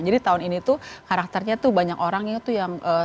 jadi tahun ini tuh karakternya tuh banyak orang yang tuh yang